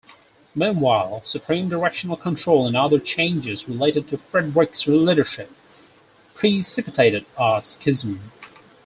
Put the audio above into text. Meanwhile, Supreme Directional Control and other changes related to Frederick's leadership precipitated a schism.